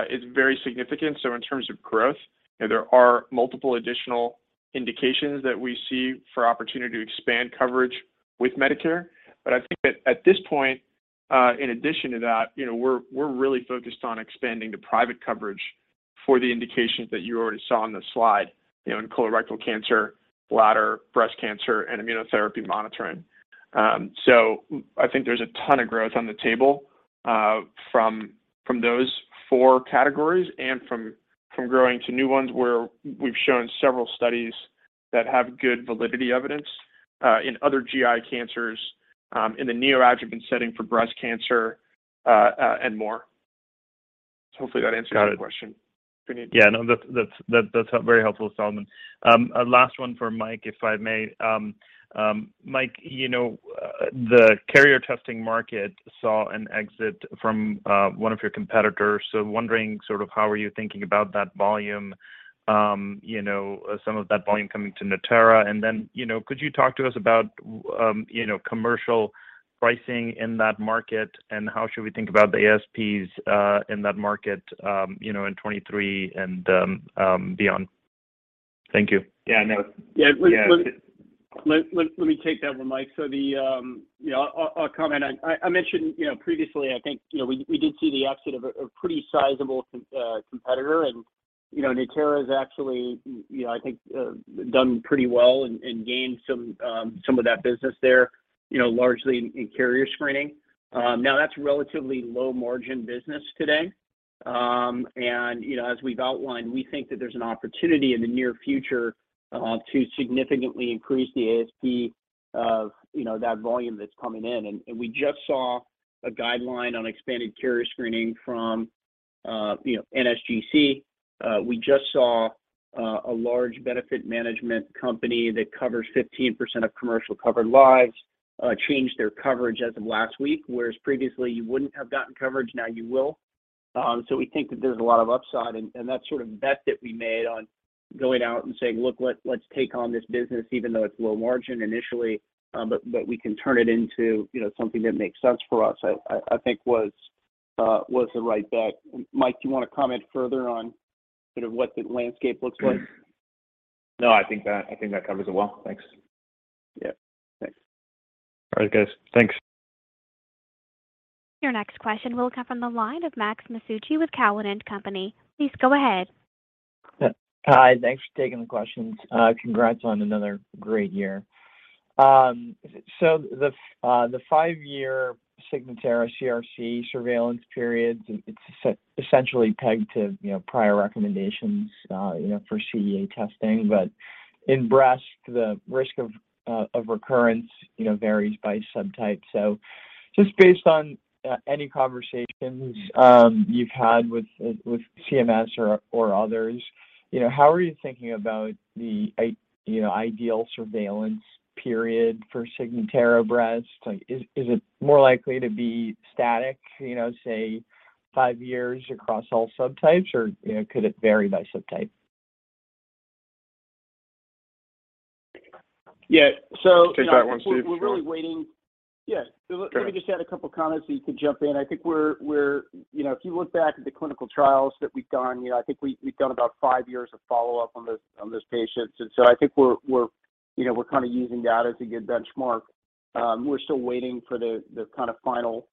is very significant. In terms of growth, you know, there are multiple additional indications that we see for opportunity to expand coverage with Medicare. I think that at this point, in addition to that, you know, we're really focused on expanding the private coverage for the indications that you already saw on the slide, you know, in colorectal cancer, bladder, breast cancer, and immunotherapy monitoring. I think there's a ton of growth on the table, from those four categories and from growing to new ones where we've shown several studies that have good validity evidence, in other GI cancers In the neoadjuvant setting for breast cancer, and more. Hopefully, that answers your question. Got it. If we need- Yeah, no, that's very helpful, Solomon. A last one for Mike, if I may. Mike, you know, the carrier testing market saw an exit from one of your competitors. Wondering sort of how are you thinking about that volume, you know, some of that volume coming to Natera. Then, you know, could you talk to us about, you know, commercial pricing in that market, and how should we think about the ASPs in that market, you know, in 2023 and beyond? Thank you. Yeah, no. Yeah. Yeah. Let me take that one, Mike. The, you know, I'll comment. I mentioned, you know, previously, I think, you know, we did see the exit of a pretty sizable competitor. You know, Natera has actually, you know, I think, done pretty well and gained some of that business there, you know, largely in carrier screening. Now that's relatively low-margin business today. And, you know, as we've outlined, we think that there's an opportunity in the near future to significantly increase the ASP of, you know, that volume that's coming in. We just saw a guideline on expanded carrier screening from, you know, NSGC. We just saw a large benefit management company that covers 15% of commercial covered lives, change their coverage as of last week. Whereas previously you wouldn't have gotten coverage, now you will. We think that there's a lot of upside, and that sort of bet that we made on going out and saying, "Look, let's take on this business, even though it's low margin initially, but we can turn it into, you know, something that makes sense for us," I think was the right bet. Mike, do you want to comment further on sort of what the landscape looks like? No, I think that, I think that covers it well. Thanks. Yeah. Thanks. All right, guys. Thanks. Your next question will come from the line of Max Masucci with Cowen and Company. Please go ahead. Yeah. Hi. Thanks for taking the questions. Congrats on another great year. The five-year Signatera CRC surveillance period, it's essentially pegged to, you know, prior recommendations, you know, for CEA testing. In breast, the risk of recurrence, you know, varies by subtype. Just based on any conversations, you've had with CMS or others, you know, how are you thinking about the ideal surveillance period for Signatera Breast? Like, is it more likely to be static, you know, say five years across all subtypes? Or, you know, could it vary by subtype? Yeah. Take that one, Steve. We're really waiting. Yeah. Go ahead. Let me just add a couple comments, so you can jump in. I think we're, you know, if you look back at the clinical trials that we've done, you know, I think we've done about five years of follow-up on those, on those patients. I think we're, you know, we're kind of using that as a good benchmark. We're still waiting for the kind of final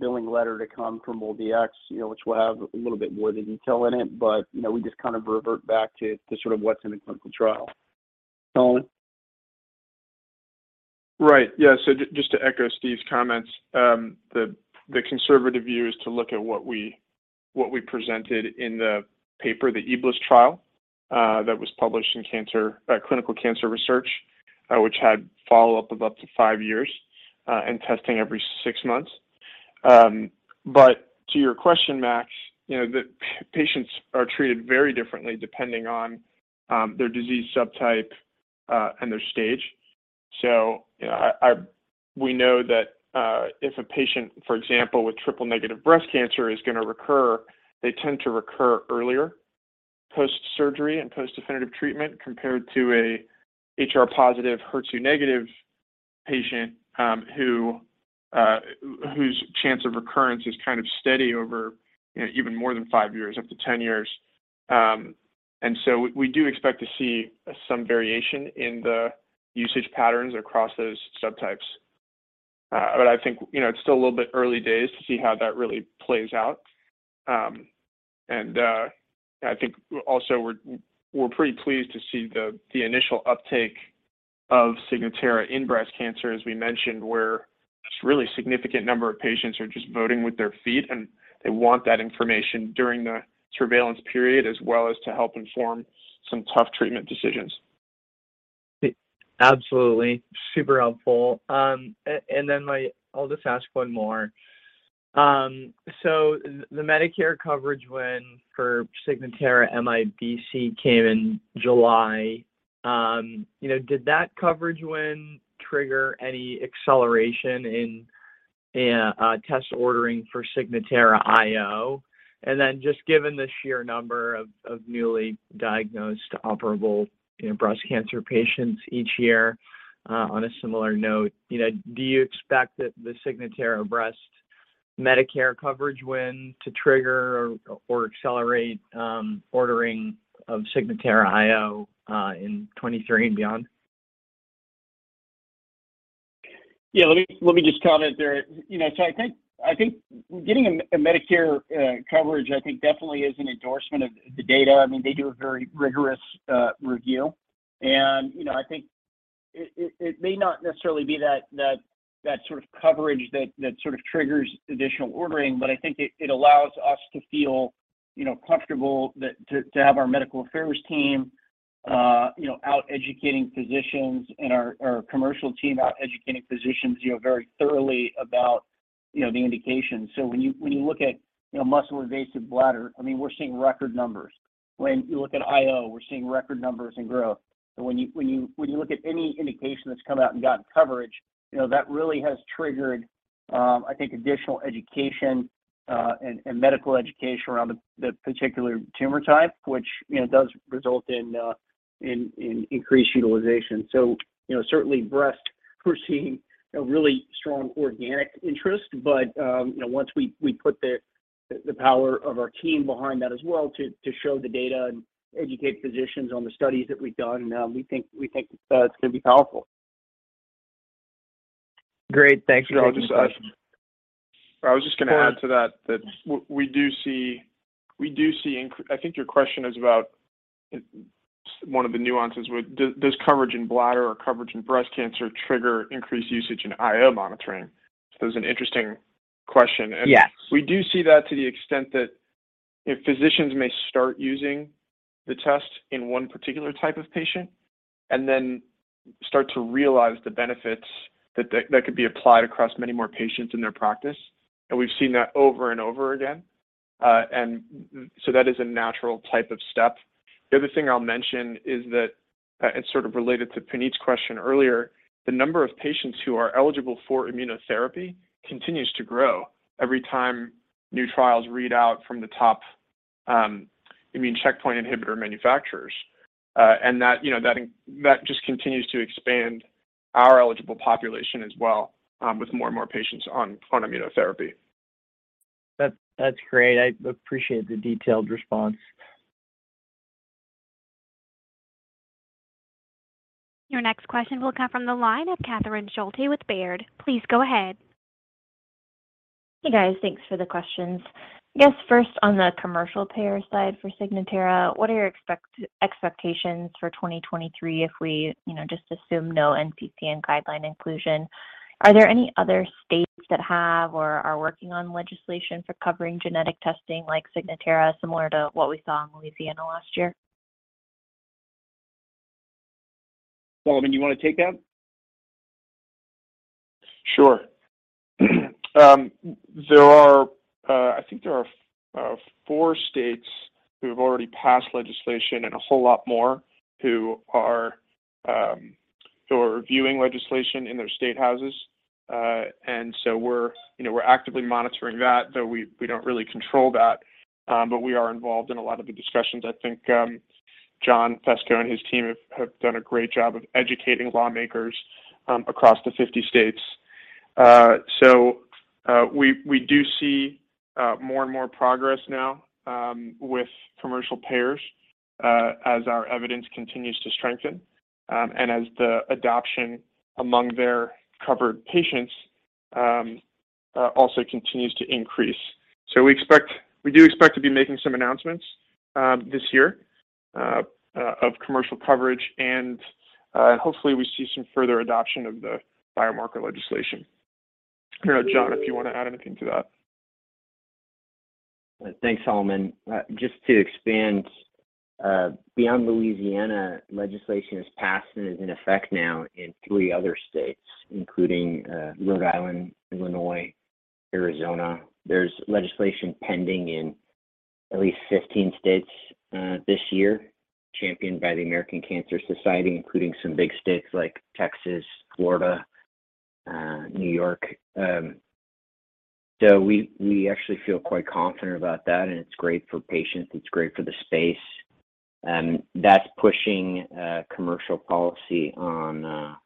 billing letter to come from MolDX, you know, which will have a little bit more of the detail in it. You know, we just kind of revert back to sort of what's in the clinical trial. Solomon? Right. Yeah. Just to echo Steve's comments, the conservative view is to look at what we presented in the paper, the EBLIS trial, that was published in Clinical Cancer Research, which had follow-up of up to five years, and testing every 6 months. To your question, Max, you know, the patients are treated very differently depending on their disease subtype and their stage. you know, We know that if a patient, for example, with triple-negative breast cancer is gonna recur, they tend to recur earlier post-surgery and post-definitive treatment, compared to a HR-positive, HER2-negative patient, who whose chance of recurrence is kind of steady over, you know, even more than five years, up to 10 years. We, we do expect to see some variation in the usage patterns across those subtypes. I think, you know, it's still a little bit early days to see how that really plays out. I think also we're pretty pleased to see the initial uptake of Signatera in breast cancer, as we mentioned, where this really significant number of patients are just voting with their feet, and they want that information during the surveillance period as well as to help inform some tough treatment decisions. Absolutely. Super helpful. My... I'll just ask one more. The, the Medicare coverage win for Signatera MIBC came in July. you know, did that coverage win trigger any acceleration in test ordering for Signatera IO? Just given the sheer number of newly diagnosed operable, you know, breast cancer patients each year, on a similar note, you know, do you expect the Signatera Breast Medicare coverage win to trigger or accelerate ordering of Signatera IO in 2023 and beyond? Yeah, let me just comment there. You know, I think getting a Medicare coverage I think definitely is an endorsement of the data. I mean, they do a very rigorous review. You know, I think it may not necessarily be that sort of coverage that sort of triggers additional ordering, but I think it allows us to feel, you know, comfortable that to have our medical affairs team, you know, out educating physicians and our commercial team out educating physicians, you know, very thoroughly about, you know, the indication. When you look at, you know, muscle-invasive bladder, I mean, we're seeing record numbers. When you look at IO, we're seeing record numbers and growth. When you look at any indication that's come out and gotten coverage, you know, that really has triggered, I think additional education and medical education around the particular tumor type, which, you know, does result in increased utilization. You know, certainly breast, we're seeing a really strong organic interest, but, you know, once we put the power of our team behind that as well to show the data and educate physicians on the studies that we've done, we think it's gonna be powerful. Great. Thanks for all the questions. I was just gonna add to that we do see, we do see I think your question is about one of the nuances with does coverage in bladder or coverage in breast cancer trigger increased usage in IO monitoring? It's an interesting question. Yes. We do see that to the extent that if physicians may start using the test in one particular type of patient and then start to realize the benefits that could be applied across many more patients in their practice, and we've seen that over and over again. That is a natural type of step. The other thing I'll mention is that it's sort of related to Puneet's question earlier, the number of patients who are eligible for immunotherapy continues to grow every time new trials read out from the top immune checkpoint inhibitor manufacturers. That, you know, that just continues to expand our eligible population as well, with more and more patients on immunotherapy. That's great. I appreciate the detailed response. Your next question will come from the line of Catherine Schulte with Baird. Please go ahead. Hey, guys. Thanks for the questions. I guess first on the commercial payer side for Signatera, what are your expectations for 2023 if we, you know, just assume no NCCN guideline inclusion? Are there any other states that have or are working on legislation for covering genetic testing like Signatera, similar to what we saw in Louisiana last year? Solomon, do you wanna take that? Sure. There are, I think there are, four states who have already passed legislation and a whole lot more who are reviewing legislation in their state houses. We're, you know, we're actively monitoring that, though we don't really control that, but we are involved in a lot of the discussions. I think, John Fesko and his team have done a great job of educating lawmakers across the 50 states. We do see more and more progress now with commercial payers, as our evidence continues to strengthen, and as the adoption among their covered patients also continues to increase. We do expect to be making some announcements this year of commercial coverage, and hopefully we see some further adoption of the biomarker legislation. You know, John, if you wanna add anything to that. Thanks, Solomon. Just to expand beyond Louisiana, legislation is passed and is in effect now in three other states, including Rhode Island, Illinois, Arizona. There's legislation pending in at least 15 states, this year, championed by the American Cancer Society, including some big states like Texas, Florida, New York. We actually feel quite confident about that, and it's great for patients. It's great for the space. That's pushing commercial policy on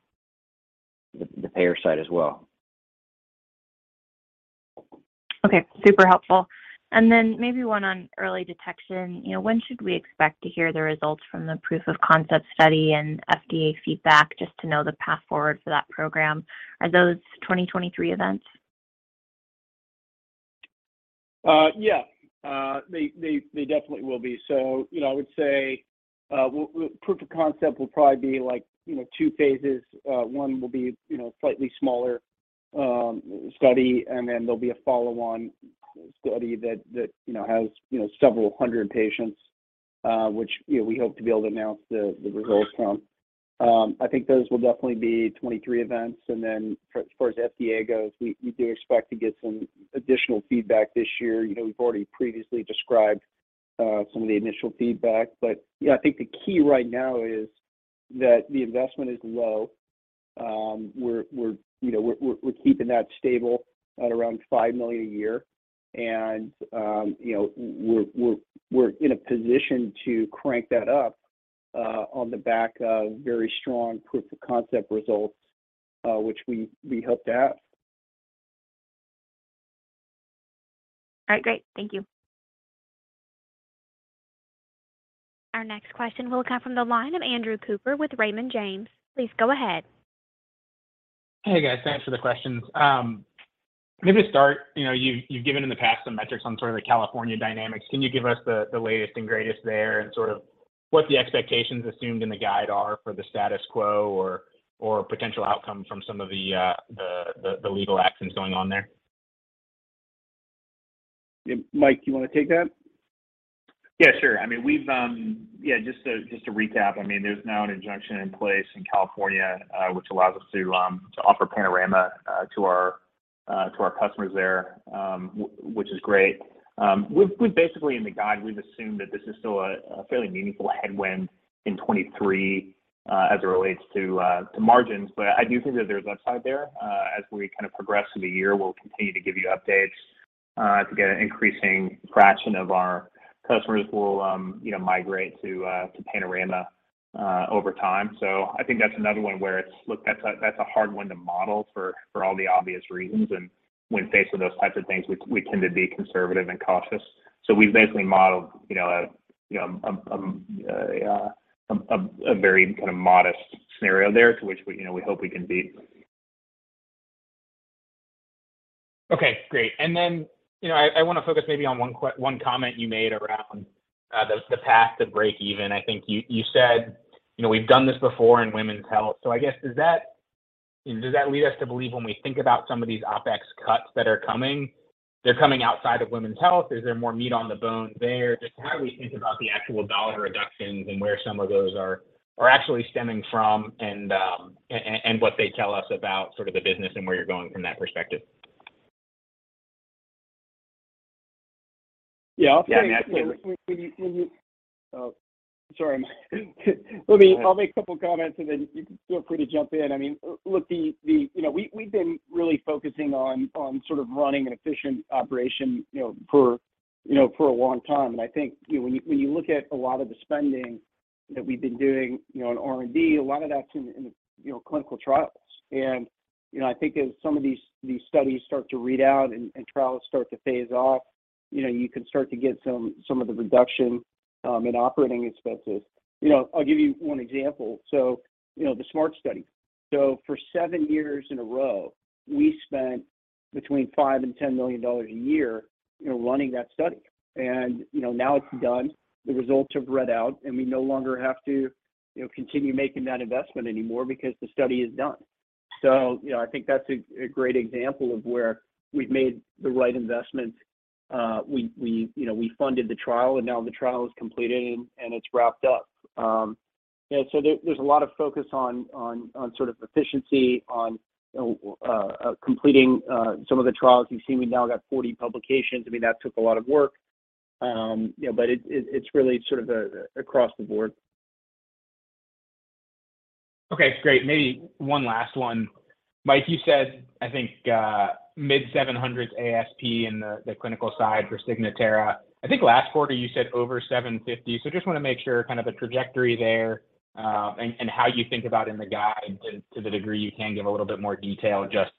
the payer side as well. Okay. Super helpful. Then maybe one on early detection. You know, when should we expect to hear the results from the proof of concept study and FDA feedback, just to know the path forward for that program? Are those 2023 events? Yeah. They definitely will be. You know, I would say, proof of concept will probably be, like, you know, two phases. One will be, you know, slightly smaller study, and then there'll be a follow-on study that, you know, has several hundred patients, which, you know, we hope to be able to announce the results from. I think those will definitely be 2023 events. For as FDA goes, we do expect to get some additional feedback this year. You know, we've already previously described some of the initial feedback. Yeah, I think the key right now is that the investment is low. We're, you know, we're keeping that stable at around $5 million a year. You know, we're in a position to crank that up on the back of very strong proof of concept results, which we hope to have. All right. Great. Thank you. Our next question will come from the line of Andrew Cooper with Raymond James. Please go ahead. Hey, guys. Thanks for the questions. maybe to start, you know, you've given in the past some metrics on sort of the California dynamics. Can you give us the latest and greatest there and sort of what the expectations assumed in the guide are for the status quo or potential outcome from some of the legal actions going on there? Mike, you wanna take that? Yeah, sure. I mean, we've. Just to recap, I mean, there's now an injunction in place in California, which allows us to offer Panorama to our customers there, which is great. We've basically in the guide, we've assumed that this is still a fairly meaningful headwind in 2023, as it relates to margins. I do think that there's upside there. As we kind of progress through the year, we'll continue to give you updates to get an increasing fraction of our customers will, you know, migrate to Panorama over time. I think that's another one where it's. Look, that's a hard one to model for all the obvious reasons. When faced with those types of things, we tend to be conservative and cautious. We've basically modeled, you know, a, you know, a very kind of modest scenario there to which we, you know, we hope we can beat. Okay, great. Then, you know, I wanna focus maybe on one comment you made around the path to breakeven. I think you said, you know, we've done this before in women's health. I guess, does that, you know, does that lead us to believe when we think about some of these OpEx cuts that are coming, they're coming outside of women's health? Is there more meat on the bone there? Just how do we think about the actual dollar reductions and where some of those are actually stemming from and what they tell us about sort of the business and where you're going from that perspective? Yeah. I'll start. Yeah. Please. Oh, sorry, Mike. I'll make a couple comments and then you feel free to jump in. I mean, look, the, you know, we've been really focusing on sort of running an efficient operation, you know, for, you know, for a long time. I think, you know, when you look at a lot of the spending that we've been doing, you know, on R&D, a lot of that's in, you know, clinical trials. You know, I think as some of these studies start to read out and trials start to phase off, you know, you can start to get some of the reduction in operating expenses. You know, I'll give you one example. You know, the SMART study. For 7 years in a row, we spent between $5 million-$10 million a year, you know, running that study. You know, now it's done, the results have read out, and we no longer have to, you know, continue making that investment anymore because the study is done. You know, I think that's a great example of where we've made the right investments. We, you know, we funded the trial, and now the trial is completed and it's wrapped up. There's a lot of focus on sort of efficiency on completing some of the trials. You've seen, we now got 40 publications. I mean, that took a lot of work. You know, but it's really sort of across the board. Okay, great. Maybe one last one. Mike, you said, I think, mid-$700s ASP in the clinical side for Signatera. I think last quarter you said over $750. Just wanna make sure kind of the trajectory there, and how you think about in the guide and to the degree you can give a little bit more detail, just,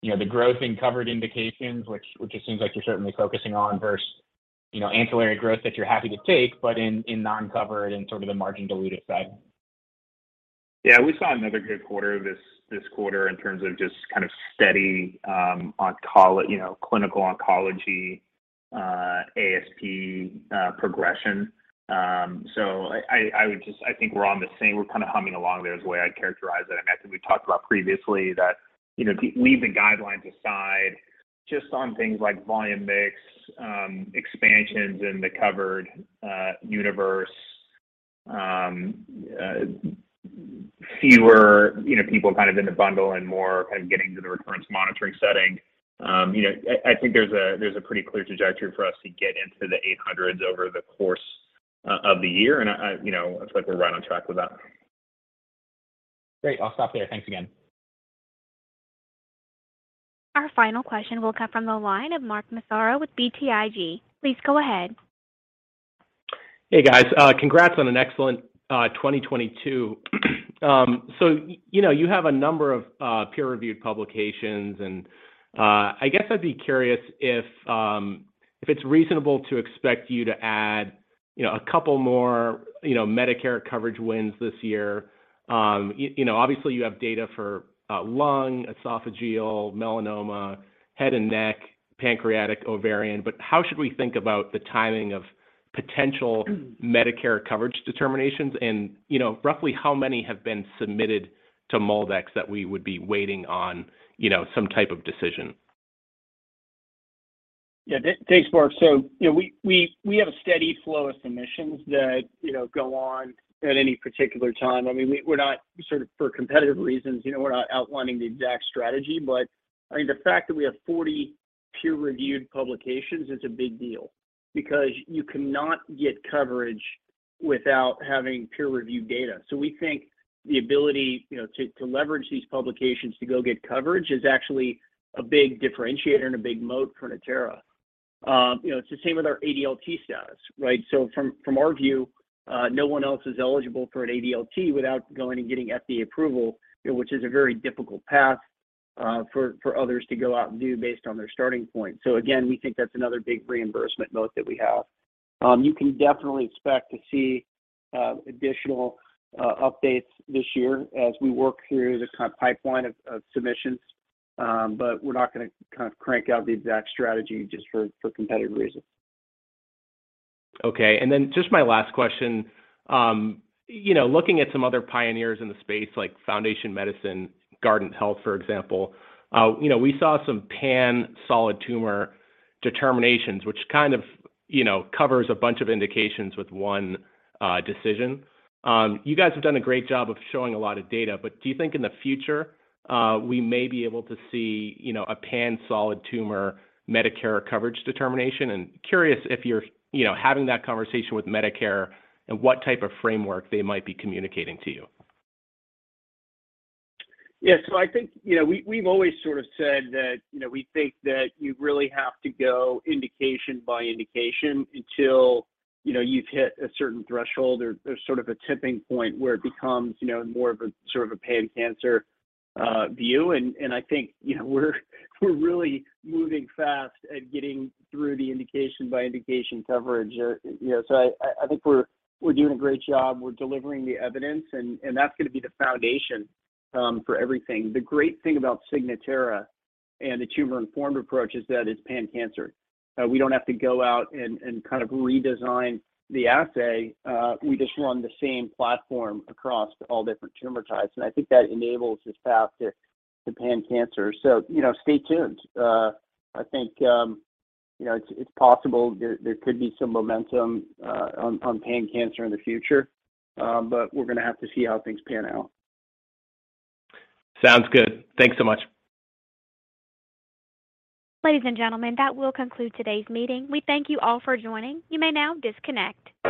you know, the growth in covered indications, which it seems like you're certainly focusing on versus, you know, ancillary growth that you're happy to take, but in non-covered and sort of the margin dilutive side. Yeah. We saw another good quarter this quarter in terms of just kind of steady, you know, clinical oncology ASP progression. I think we're on the same. We're kind of humming along there is the way I'd characterize it. I mean, I think we've talked about previously that, you know, leave the guidelines aside just on things like volume mix, expansions in the covered universe. Fewer, you know, people kind of in the bundle and more kind of getting to the recurrence monitoring setting. You know, I think there's a pretty clear trajectory for us to get into the 800s over the course of the year. I, you know, I feel like we're right on track with that. Great. I'll stop there. Thanks again. Our final question will come from the line of Mark Massaro with BTIG. Please go ahead. Hey, guys. congrats on an excellent 2022. you know, you have a number of peer-reviewed publications and I guess I'd be curious if it's reasonable to expect you to add, you know, a couple more, you know, Medicare coverage wins this year. you know, obviously you have data for lung, esophageal, melanoma, head and neck, pancreatic, ovarian, but how should we think about the timing of potential Medicare coverage determinations? you know, roughly how many have been submitted to MolDX that we would be waiting on, you know, some type of decision? Thanks, Mark. You know, we have a steady flow of submissions that, you know, go on at any particular time. I mean, we're not sort of for competitive reasons, you know, we're not outlining the exact strategy, but I mean, the fact that we have 40 peer-reviewed publications is a big deal because you cannot get coverage without having peer review data. We think the ability, you know, to leverage these publications to go get coverage is actually a big differentiator and a big moat for Natera. You know, it's the same with our ADLT status, right? From our view, no one else is eligible for an ADLT without going and getting FDA approval, you know, which is a very difficult path for others to go out and do based on their starting point. Again, we think that's another big reimbursement moat that we have. You can definitely expect to see additional updates this year as we work through the kind of pipeline of submissions. We're not gonna kind of crank out the exact strategy just for competitive reasons. Okay. Just my last question, you know, looking at some other pioneers in the space like Foundation Medicine, Guardant Health, for example, you know, we saw some pan-solid tumor determinations, which kind of, you know, covers a bunch of indications with one decision. You guys have done a great job of showing a lot of data, but do you think in the future, we may be able to see, you know, a pan-solid tumor Medicare coverage determination, and curious if you're, you know, having that conversation with Medicare and what type of framework they might be communicating to you? Yeah. I think, you know, we've always sort of said that, you know, we think that you really have to go indication by indication until, you know, you've hit a certain threshold or there's sort of a tipping point where it becomes, you know, more of a sort of a pan-cancer view. I think, you know, we're really moving fast at getting through the indication by indication coverage. you know, I, I think we're doing a great job. We're delivering the evidence and that's gonna be the foundation for everything. The great thing about Signatera and the tumor-informed approach is that it's pan-cancer. We don't have to go out and kind of redesign the assay. We just run the same platform across all different tumor types, and I think that enables this path to pan-cancer. You know, stay tuned. I think, you know, it's possible there could be some momentum, on pan-cancer in the future, but we're gonna have to see how things pan out. Sounds good. Thanks so much. Ladies and gentlemen, that will conclude today's meeting. We thank you all for joining. You may now disconnect.